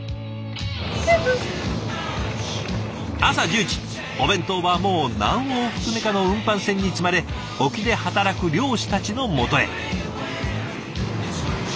朝１０時お弁当はもう何往復目かの運搬船に積まれ沖で働く漁師たちのもとへ。